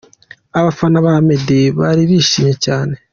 Abafana ba Meddy bari bishimye cyane.